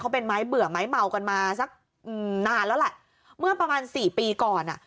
พอเมื่อประมาณสี่ปีก่อน